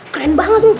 keren banget tuh